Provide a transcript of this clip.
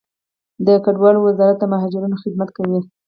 د کډوالو وزارت د مهاجرینو خدمت کوي